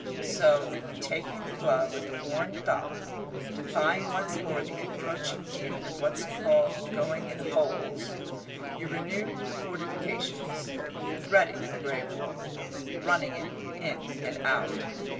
So, taking the glove with the worn thumb, defying once more the encroaching demon of what's called going in holes, you renew the fortifications, threading the grey wool, running it in and out.